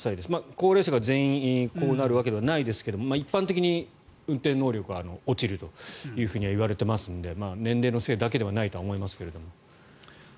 高齢者が全員こうなるわけではないですが一般的に運転能力は落ちるとは言われていますので年齢のせいだけではないと思いますけども。